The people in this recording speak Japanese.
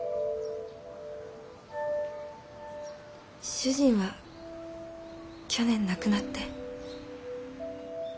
主人は去年亡くなって。